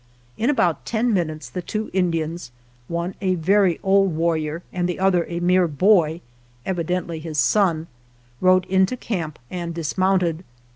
In about ten minutes the two Indians — one a very old warrior and the other a mere boy, evidently his son — rode into camp and dismounted.